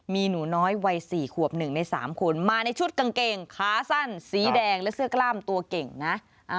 มีหนูน้อยวัย๔ขวบ๑ใน๓คนมาในชุดกางเกงขาสั้นสีแดงและเสื้อกล้ามตัวเก่งนะ